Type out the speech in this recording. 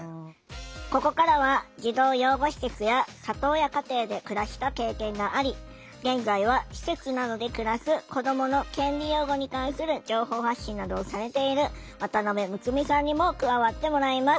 ここからは児童養護施設や里親家庭で暮らした経験があり現在は施設などで暮らす子どもの権利擁護に関する情報発信などをされている渡辺睦美さんにも加わってもらいます。